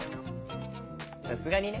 さすがにね。